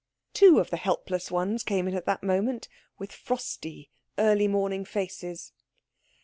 Two of the helpless ones came in at that moment, with frosty, early morning faces.